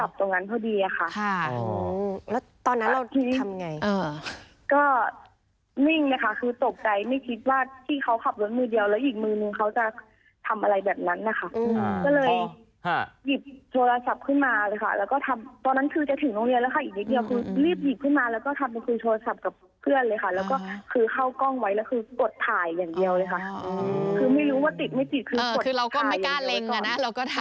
อ๋อแล้วตอนนั้นเราทำไงอ่าก็นิ่งนะคะคือตกใจไม่คิดว่าที่เขาขับรถมือเดียวแล้วอีกมือหนึ่งเขาจะทำอะไรแบบนั้นนะคะอืมอ๋อค่ะหยิบโทรศัพท์ขึ้นมาเลยค่ะแล้วก็ทำตอนนั้นคือจะถึงโรงเรียนแล้วค่ะอีกนิดเดียวคือรีบหยิบขึ้นมาแล้วก็ทำโทรศัพท์กับเพื่อนเลยค่ะแล้วก็ค